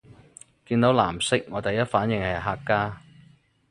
見到藍色我第一反應係客家